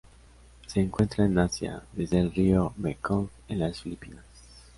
Se encuentran en Asia: desde el río Mekong en las Filipinas.